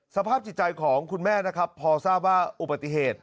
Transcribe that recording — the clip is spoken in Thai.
สภาพจิตใจของคุณแม่นะครับพอทราบว่าอุบัติเหตุ